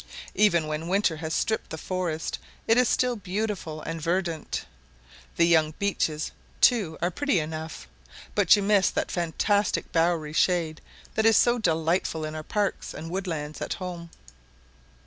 Even when winter has stripped the forest it is still beautiful and verdant. The young beeches too are pretty enough, but you miss that fantastic bowery shade that is so delightful in our parks and woodlands at home.